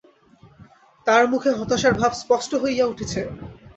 তাঁর মুখে হতাশার ভাব স্পষ্ট হয়ে উঠছে।